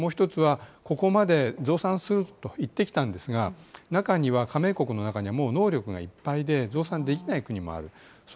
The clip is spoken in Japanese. そしてあともう一つは、ここまで増産すると言ってきたんですが、中には、加盟国の中にはもう能力がいっぱいで、増産できない国もある。